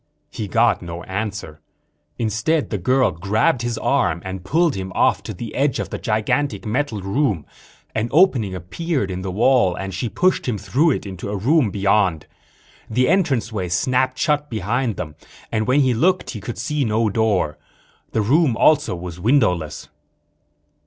He got no answer. Instead the girl grabbed his arm and pulled him off to the edge of the gigantic metal room. An opening appeared in the wall and she pushed him through it into a room beyond. The entranceway snapped shut behind them and when he looked he could see no door. The room also was windowless.